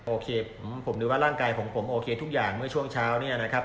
โอเคผมนึกว่าร่างกายของผมโอเคทุกอย่างเมื่อช่วงเช้าเนี่ยนะครับ